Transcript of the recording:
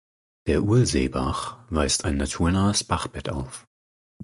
Der Urlseebach weist ein naturnahes Bachbett auf.